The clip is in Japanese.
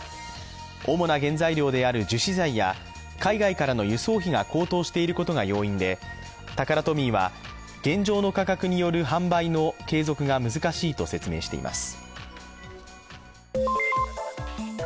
主な原材料である樹脂材や、海外からの輸送費が高騰していることが要因でタカラトミーは現状の価格による販売の継続が難しいと説明しています。